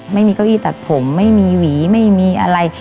ไม่มีเก้าอี้ตัดผมไม่มีหวีไม่มีอะไร